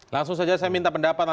langsung saja saya minta pendapat